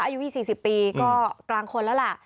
อายุเลี้ยวสี่สิบปีก็กลางคนละล่ะ